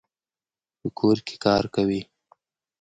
په کور کي کار کوي.